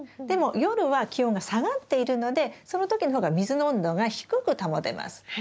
でも夜は気温が下がっているのでその時の方が水の温度が低く保てます。